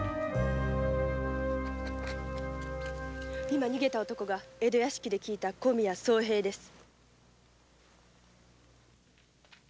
今逃げた男が江戸屋敷で聞いた小宮宗平です。